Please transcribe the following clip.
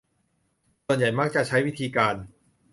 ส่วนใหญ่มักจะใช้วิธีการ